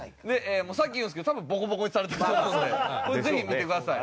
先言うんですけど多分ボコボコにされてると思うのでこれぜひ見てください。